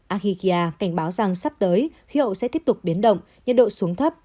aghikia cảnh báo rằng sắp tới khí hậu sẽ tiếp tục biến động nhiệt độ xuống thấp